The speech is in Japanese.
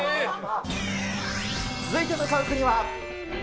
続いて向かう国は？